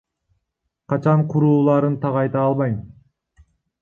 Качан курулаарын так айта албайм.